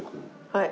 はい。